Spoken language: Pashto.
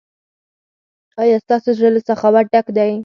ایا ستاسو زړه له سخاوت ډک دی؟